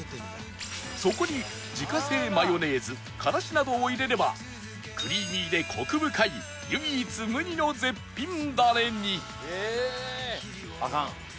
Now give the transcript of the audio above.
そこに自家製マヨネーズからしなどを入れればクリーミーでコク深い唯一無二の絶品ダレに